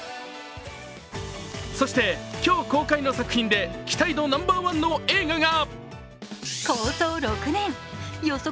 そして、今日公開の作品で期待度ナンバーワンの映画が？